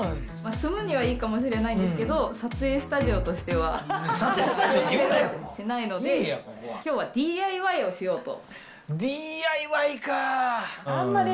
住むにはいいかもしれないんですけど、撮影スタジオとしては。きょうはＤＩＹをしようと。